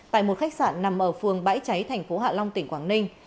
tại một khách sạn nằm ở phường bãi cháy thành phố hạ long tỉnh quảng ninh